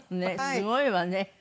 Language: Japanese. すごいわね。